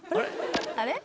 あれ？